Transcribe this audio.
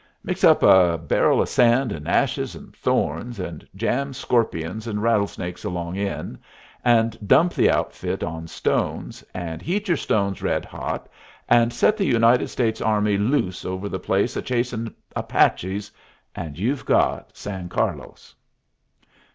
Mix up a barrel of sand and ashes and thorns, and jam scorpions and rattlesnakes along in, and dump the outfit on stones, and heat yer stones red hot, and set the United States army loose over the place chasin' Apaches, and you've got San Carlos."